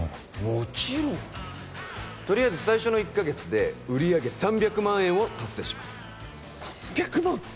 もちろんとりあえず最初の１カ月で売上３００万円を達成します３００万！？